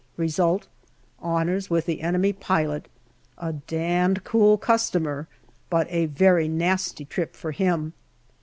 Result, honours with the enemy pilot, a damned cool customer, but a very nasty trip for him.